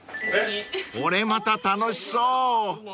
［これまた楽しそう］